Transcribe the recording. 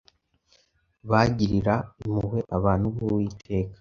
Bagirira impuhwe abantu b’Uwiteka,